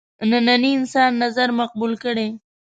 ننني انسان نظر مقبول کړي.